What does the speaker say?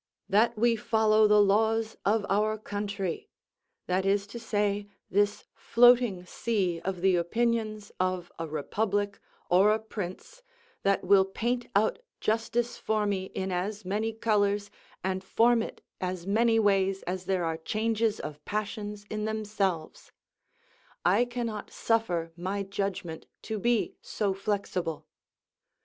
"That we follow the laws of our country;" that is to say, this floating sea of the opinions of a republic, or a prince, that will paint out justice for me in as many colours, and form it as many ways as there are changes of passions in themselves; I cannot suffer my judgment to be so flexible.